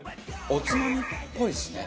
おつまみっぽいですね。